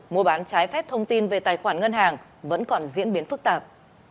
mua bán trái phép thông tin về tài khoản ngân hàng vẫn còn diễn biến phức tạp